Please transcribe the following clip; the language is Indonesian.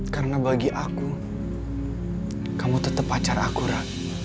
karena bagi aku kamu tetep pacar aku ra